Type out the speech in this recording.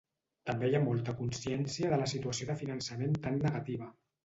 També hi ha molta consciència de la situació de finançament tan negativa.